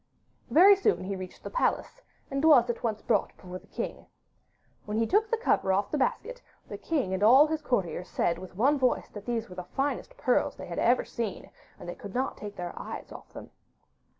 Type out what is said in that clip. Very soon he reached the palace, and was at once brought before the king. When he took the cover off the basket, the king and all his courtiers said with one voice that these were the finest pearls they had ever seen, and they could not take their eyes off them.